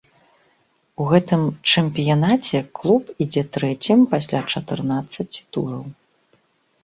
У гэтым чэмпіянаце клуб ідзе трэцім пасля чатырнаццаці тураў.